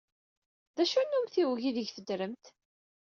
D acu n umtiweg aydeg teddremt?